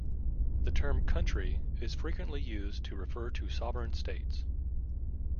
The term "country" is frequently used to refer to sovereign states.